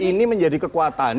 ini menjadi kekuatan